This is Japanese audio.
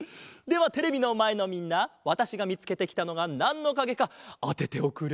ではテレビのまえのみんなわたしがみつけてきたのがなんのかげかあてておくれ。